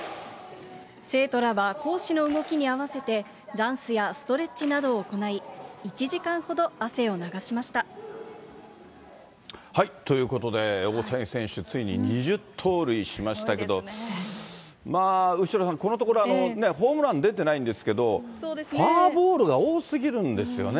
生徒らは講師の動きに合わせて、ダンスやストレッチなどを行い、ということで、大谷選手、ついに２０盗塁しましたけど、後呂さん、このところ、ホームラン出てないんですけど、フォアボールが多すぎるんですよね。